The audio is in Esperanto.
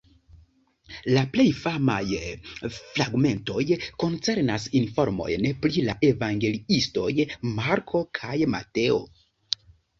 La plej famaj fragmentoj koncernas informojn pri la evangeliistoj Marko kaj Mateo.